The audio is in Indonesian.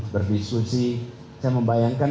berdiskusi saya membayangkan